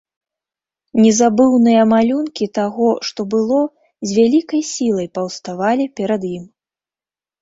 Незабыўныя малюнкі таго, што было, з вялікай сілай паўставалі перад ім.